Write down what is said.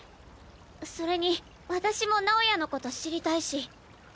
それに私も直也のこと知りたいし。